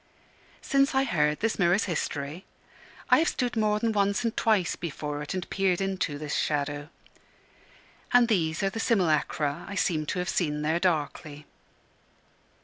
Since I heard this mirror's history, I have stood more than once and twice before it, and peered into this shadow. And these are the simulacra I seem to have seen there darkly.